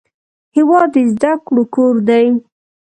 هېواد د زده کړو کور دی.